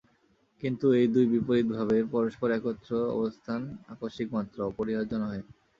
কিন্তু এই দুই বিপরীত ভাবের পরস্পর একত্র অবস্থান আকস্মিক মাত্র, অপরিহার্য নহে।